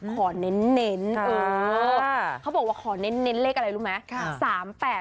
ขอเน้นเน้นเออเขาบอกว่าขอเน้นเน้นเลขอะไรรู้ไหมค่ะสามแปด